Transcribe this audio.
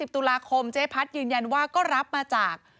ตุลาคมเจ๊พัดยืนยันว่าก็รับมาจาก